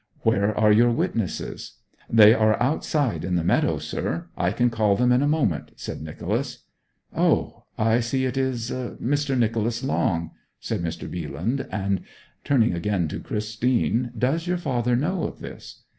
'Where are your witnesses?' 'They are outside in the meadow, sir. I can call them in a moment,' said Nicholas. 'Oh I see it is Mr. Nicholas Long,' said Mr. Bealand, and turning again to Christine, 'Does your father know of this?'